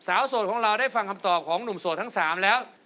โสดของเราได้ฟังคำตอบของหนุ่มโสดทั้ง๓แล้ว